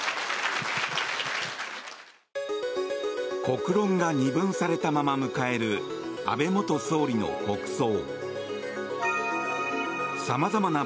国論が二分されたまま迎える安倍元総理の国葬。